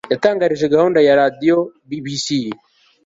yatangarije gahunda ya radiyo bbc